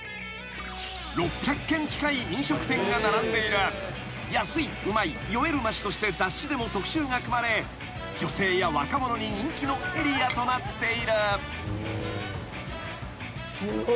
［６００軒近い飲食店が並んでいる安いうまい酔える街として雑誌でも特集が組まれ女性や若者に人気のエリアとなっている］